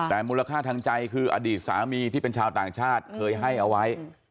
แต่มูลค่าทางใจคืออดีตสามีที่เป็นชาวต่างชาติเคยให้เอาไว้